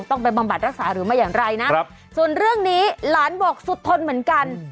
ไปบำบัดรักษาหรือไม่อย่างไรนะครับส่วนเรื่องนี้หลานบอกสุดทนเหมือนกัน